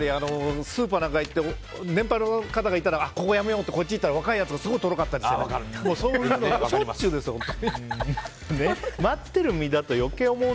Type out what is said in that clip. スーパーなんか行っても年配の方がいたらここはやめようとかって若いやつのところ行ったら若いやつがすごい、とろかったりする。